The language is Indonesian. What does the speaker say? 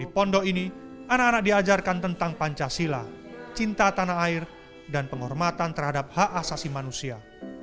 di pondok ini anak anak diajarkan tentang pancasila cinta tanah air dan penghormatan terhadap hak asasi manusia